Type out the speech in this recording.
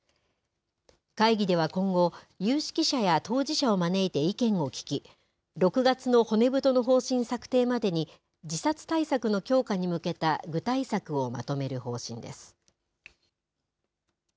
会議では今後、有識者や当事者を招いて意見を聞き６月の骨太の方針策定までに自殺対策の強化に向けた具体策をまとめる方針です。